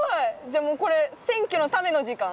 じゃあこれ選挙のための時間？